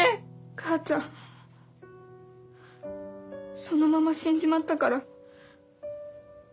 母ちゃんそのまま死んじまったから。